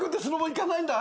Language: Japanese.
行かないんだ。